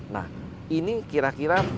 nah ini kira kira